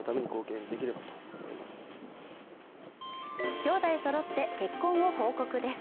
兄弟そろって結婚を報告です。